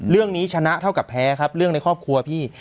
ชนะเท่ากับแพ้ครับเรื่องในครอบครัวพี่